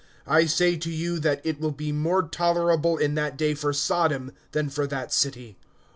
(12)I say to you, that it will be more tolerable in that day for Sodom, than for that city.